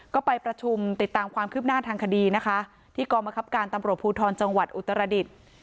ก็ไปประชุมติดตามความคืบหน้าทางคดีนะคะที่กรมคับการตำรวจภูทรจังหวัดอุตรดิษฐ์